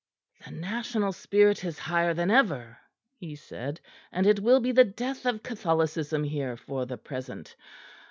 "The national spirit is higher than ever," he said, "and it will be the death of Catholicism here for the present.